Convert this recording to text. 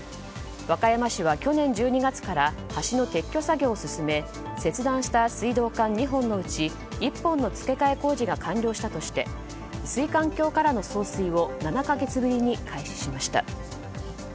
和歌山市は去年１２月から橋の撤去作業を進め切断した水道管２本のうち１本の付け替え工事が完了したとして水管橋からの送水を７か月ぶりに再開しました。